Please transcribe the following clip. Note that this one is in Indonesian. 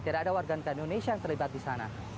tidak ada warga negara indonesia yang terlibat di sana